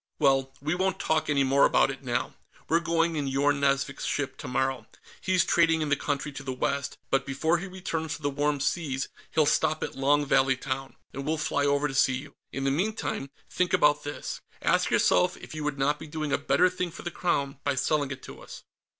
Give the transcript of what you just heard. Well, we won't talk any more about it, now. We're going in Yorn Nazvik's ship, tomorrow; he's trading in the country to the west, but before he returns to the Warm Seas, he'll stop at Long Valley Town, and we'll fly over to see you. In the meantime, think about this; ask yourself if you would not be doing a better thing for the Crown by selling it to us."